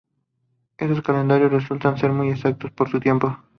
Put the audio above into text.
Estos calendarios resultan ser muy exactos para su tiempo.